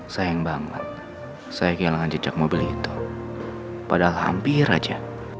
sayang banget saya kehilangan jejak mobil itu padahal hampir aja